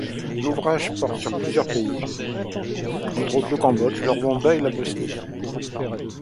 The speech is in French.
L'ouvrage porte sur plusieurs pays, entre autres le Cambodge, le Rwanda et la Bosnie.